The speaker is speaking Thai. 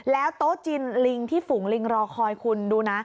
โต๊ะจินลิงที่ฝูงลิงรอคอยคุณดูนะ